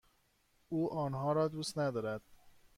او آنها را دوست ندارد.